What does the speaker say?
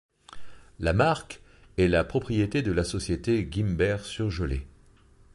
La marque est la propriété de la société Guimbert Surgelés.